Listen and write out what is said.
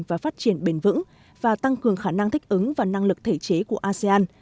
và phát triển bền vững và tăng cường khả năng thích ứng và năng lực thể chế của asean